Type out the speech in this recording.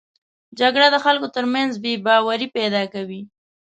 جګړه د خلکو تر منځ بې باوري پیدا کوي